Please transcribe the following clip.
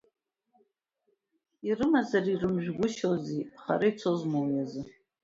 Ирымазар ирымжәгәышьози, хара ицозма уи азы.